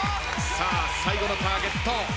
さあ最後のターゲット。